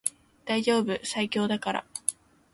大丈夫最強だから